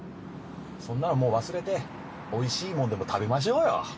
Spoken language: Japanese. そんなのもう忘れておいしいもんでも食べましょう。